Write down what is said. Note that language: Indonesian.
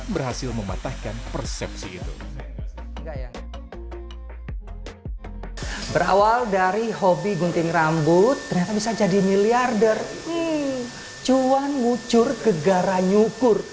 berawal dari hobi gunting rambut bisa jadi miliarder cuan ngucur ke gara nyukur